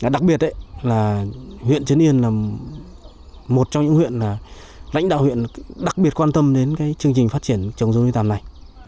đặc biệt là huyện trấn yên là một trong những huyện lãnh đạo huyện đặc biệt quan tâm đến chương trình phát triển trồng dâu như tàm này